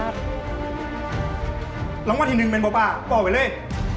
ร้อนวันที่หนึ่งเป็นป่าบอกไปเลย